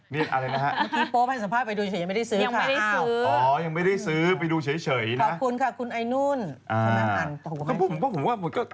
นี่อะไรนะฮะยังไม่ได้ซื้ออ๋อยังไม่ได้ซื้อไปดูเฉยนะขอบคุณค่ะคุณไอนุ่น